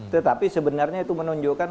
tetapi sebenarnya itu menunjukkan